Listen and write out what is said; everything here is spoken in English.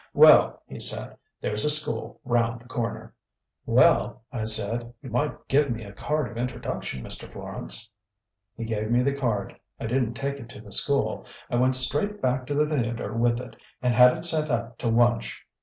"'Well,' he said, 'there's a school round the corner.' "'Well,' I said, 'you might give me a card of introduction, Mr. Florance.' "He gave me the card. I didn't take it to the school. I went straight back to the theatre with it, and had it sent up to Wunch.